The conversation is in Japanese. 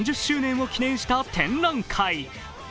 ３０年を記念した展覧会。